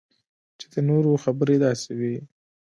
چې د نورو خبرې داسې وي